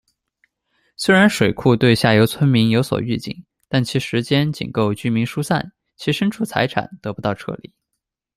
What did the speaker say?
虽然水库对下游村民有所预警，但其时间仅够居民疏散，其牲畜财产得不到撤离。